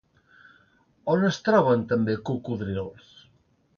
On es troben també cocodrils?